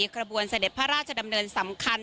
ขบวนเสด็จพระราชดำเนินสำคัญ